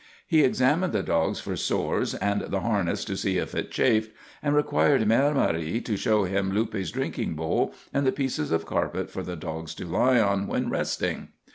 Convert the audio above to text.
He examined the dogs for sores and the harness to see if it chafed, and required Mère Marie to show him Luppe's drinking bowl and the pieces of carpet for the dogs to lie on when resting.